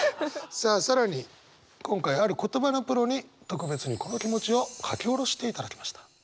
さあ更に今回はある言葉のプロに特別にこの気持ちを書き下ろしていただきました。